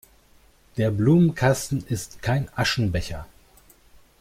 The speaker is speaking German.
Der Blumenkasten ist kein Aschenbecher!